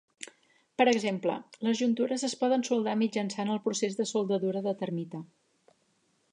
Per exemple, les juntures es poden soldar mitjançant el procés de soldadura de termita.